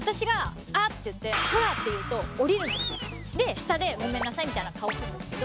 下でごめんなさいみたいな顔するんですけど